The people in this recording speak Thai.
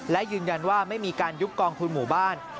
และยืนยันว่าไม่มีการยุบกองทุนหมู่บ้าน